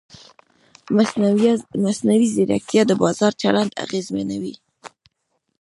مصنوعي ځیرکتیا د بازار چلند اغېزمنوي.